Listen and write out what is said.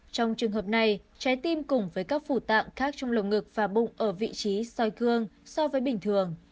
trong trường hợp này trái tim cùng với các phủ tạng khác trong lồng ngực và bụng ở vị trí soi cương so với bình thường